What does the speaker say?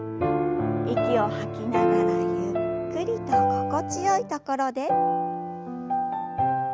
息を吐きながらゆっくりと心地よい所で。